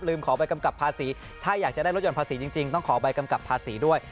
ขอใบกำกับภาษีถ้าอยากจะได้รถยนต์ภาษีจริงต้องขอใบกำกับภาษีด้วย